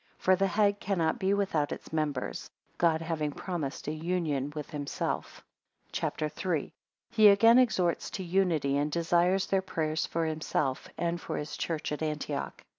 16 For the head cannot be without its members, God having promised a union with himself. CHAP. III. He again exhorts to unity, and desires their prayers for himself, and for his church at Antioch.